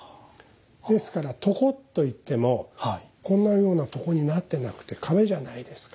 ですから床といってもこんなような床になってなくて壁じゃないですか。